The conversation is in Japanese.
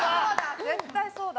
絶対そうだ。